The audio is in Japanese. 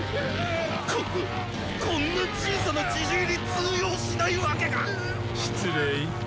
こんなこんな小さなジジイに通用しないわけが！失礼。